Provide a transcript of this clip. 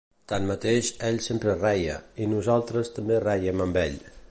Tanmateix ell sempre reia, i nosaltres també rèiem amb ell.